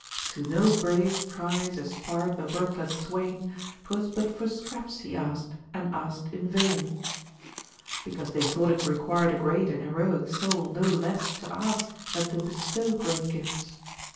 — To no brave prize aspired the worthless swain, 'Twas but for scraps he asked, and asked in vain, * because they thought it required a great and heroic soul no less to ask than to bestow great gifts.